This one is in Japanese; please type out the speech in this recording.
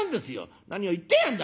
『何を言ってやがんだ』